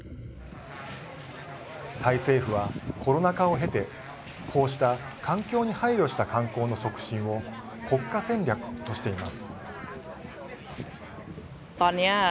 タイ政府はコロナ禍を経てこうした環境に配慮した観光の促進を国家戦略としています。